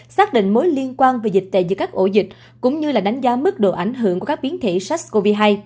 xác định mối liên quan về dịch tệ giữa các ổ dịch cũng như là đánh giá mức độ ảnh hưởng của các biến thể sars cov hai